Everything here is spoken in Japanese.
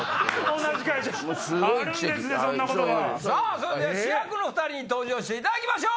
それでは主役の２人に登場していただきましょう！